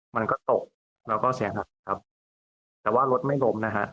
มันก็ตกแล้วก็เสียหลักนะครับแต่ว่ารถไม่ล้มนะฮะ